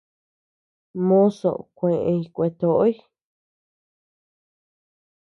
Mozo kueʼeñ kueatoʼoy.